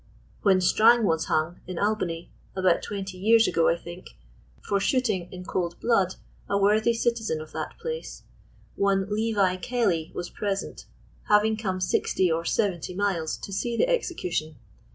When Strang was hung, in Albany, (about twenty years ago, I think,) for shooting in cold blood a worthy citizen of that place, one Levi Kelly was present, having come sixty or seventy miles to see the exe cution.